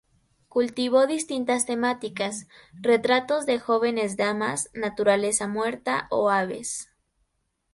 Cultivó distintas temáticas: retratos de jóvenes damas, naturaleza muerta o aves.